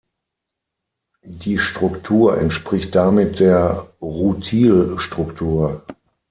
Die Struktur entspricht damit der Rutil-Struktur.